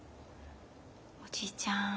おじいちゃん